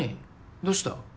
どうした？